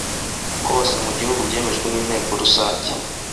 hose mu gihugu byemejwe n inteko rusange